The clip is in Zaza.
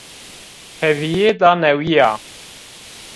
Hêvîyêda newî ya